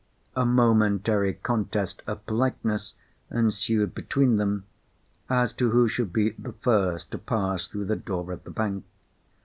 A momentary contest of politeness ensued between them as to who should be the first to pass through the door of the bank.